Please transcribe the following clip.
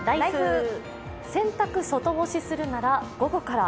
洗濯外干しするなら午後から。